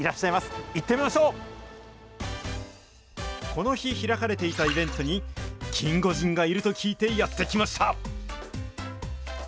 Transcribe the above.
この日、開かれていたイベントに、キンゴジンがいると聞いてやって来ました。